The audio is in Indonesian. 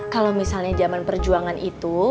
kalau misalnya zaman perjuangan itu